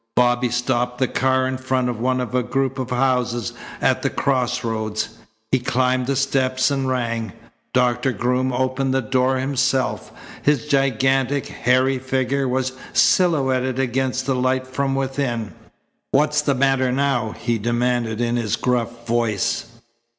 Bobby stopped the car in front of one of a group of houses at a crossroads. He climbed the steps and rang. Doctor Groom opened the door himself. His gigantic, hairy figure was silhouetted against the light from within. "What's the matter now?" he demanded in his gruff voice.